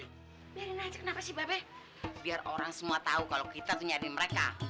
biarin aja kenapa sih bapak biar orang semua tahu kalau kita punya di mereka